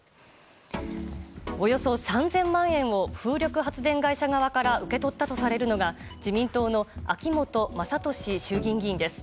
およそ３０００万円を風力発電会社側から受け取ったとされるのが自民党の秋本真利衆議院議員です。